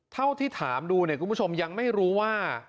เท่าที่ถามดูเนี่ยคุณผู้ชมยังไม่รู้ว่า